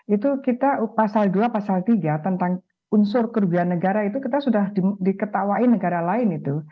itu kita pasal dua pasal tiga tentang unsur kerugian negara itu kita sudah diketawain negara lain itu